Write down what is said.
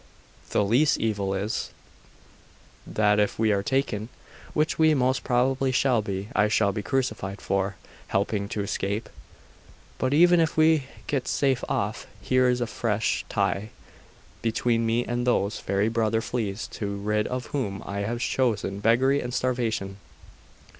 The least evil is, that if we are taken, which we most probably shall be, I shall be crucified for helping to escape. But even if we get safe off here is a fresh tie between me and those very brother fleas, to be rid of whom I have chosen beggary and starvation.